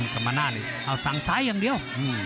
กรรมนาศนี่เอาสั่งซ้ายอย่างเดียว